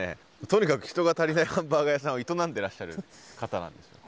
とにかく人が足りないハンバーガー屋さんを営んでらっしゃる方なんですね。